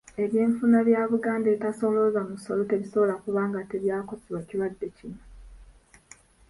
Ebyenfuna bya Buganda etasolooza musolo tebisobola kuba nga tebyakosebwa kirwadde kino.